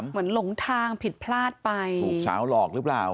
หลงทางผิดพลาดไปถูกสาวหลอกหรือเปล่า